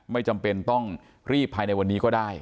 ไม่จำเป็นต้องรีบภายในวันนี้ก็ได้